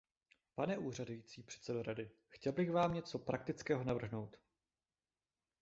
Pane úřadující předsedo Rady, chtěl bych vám něco praktického navrhnout.